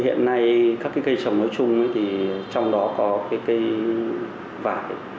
hiện nay các cây trồng nói chung thì trong đó có cái cây vải